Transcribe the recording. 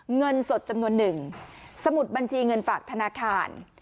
เงินสดจำนวนหนึ่งสมุดบัญชีเงินฝากธนาคาร